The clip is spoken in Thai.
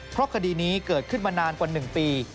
เพราะคดีนี้เกิดขึ้นมานานกว่า๑ปี